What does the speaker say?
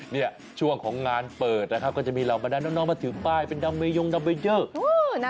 นี่ช่วงของงานเปิดนะครับก็จะมีเรามาด้านนอกมาถือป้ายเป็นดำเบยงดำเบยเยอะ